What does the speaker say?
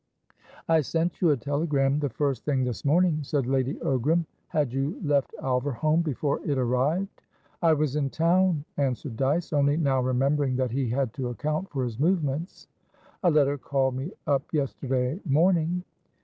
"I sent you a telegram the first thing this morning," said Lady Ogram. "Had you left Alverholme before it arrived?" "I was in town," answered Dyce, only now remembering that he had to account for his movements. "A letter called me up yesterday morning."